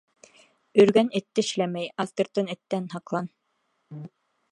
Өргән эт тешләмәй, аҫтыртын эттән һаҡлан.